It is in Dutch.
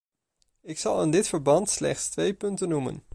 Ik zal in dit verband slechts twee punten noemen.